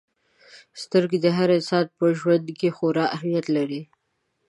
• سترګې د هر انسان په ژوند کې خورا اهمیت لري.